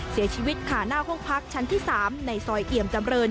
เสียชีวิตค่ะหน้าห้องพักชั้นที่๓ในซอยเอี่ยมจำเริน